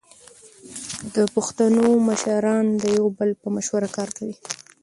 د پښتنو مشران د یو بل په مشوره کار کوي.